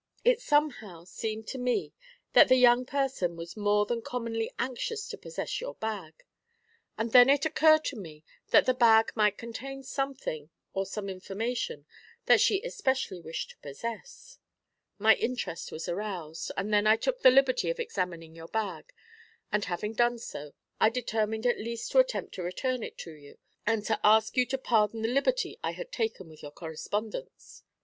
It somehow seemed to me that the young person was more than commonly anxious to possess your bag, and then it occurred to me that the bag might contain something or some information that she especially wished to possess. My interest was aroused, and then I took the liberty of examining your bag, and having done so, I determined at least to attempt to return it to you, and to ask you to pardon the liberty I had taken with your correspondence.'